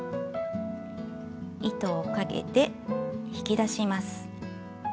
糸をかけて引き出します。